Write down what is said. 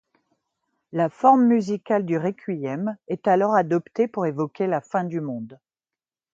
La forme musicale du Requiem est alors adoptée pour évoquer la fin du monde.